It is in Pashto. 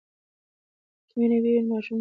که مینه وي ماشومان ستړي نه کېږي.